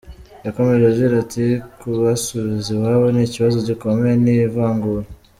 Yakomeje agira ati “Kubasubiza iwabo ni ikibazo gikomeye, ni ivangura.